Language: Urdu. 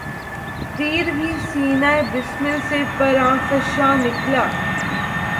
تیر بھی سینۂ بسمل سے پرافشاں نکلا